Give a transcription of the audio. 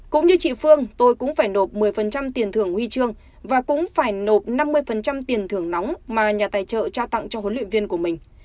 cũng như chị phương tôi cũng phải nộp một mươi tiền thưởng huy chương và cũng phải nộp năm mươi tiền thưởng nóng mà nhà tài trợ trao tặng cho huấn luyện viên của mình